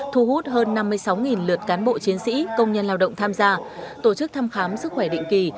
thu hút hơn năm mươi sáu lượt cán bộ chiến sĩ công nhân lao động tham gia tổ chức thăm khám sức khỏe định kỳ